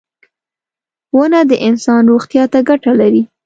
• ونه د انسان روغتیا ته ګټه لري.